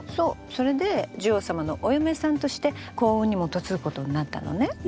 それで寿王様のお嫁さんとして幸運にも嫁ぐことになったのね。